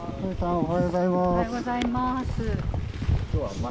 おはようございます。